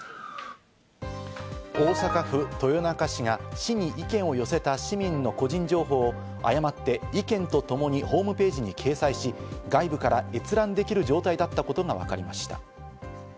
大阪府豊中市が、市に意見を寄せた市民の個人情報を誤って意見とともにホームページに掲載し、外部から閲覧できる状態だったことがわかりました。